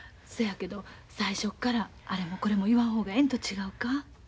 そやけど最初からあれもこれも言わん方がええんと違うか？